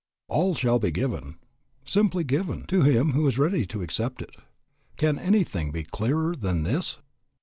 All shall be given, simply given, to him who is ready to accept it. Can anything be clearer than this?